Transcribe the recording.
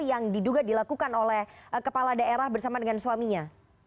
yang diduga dilakukan oleh kepala daerah bersama dengan suaminya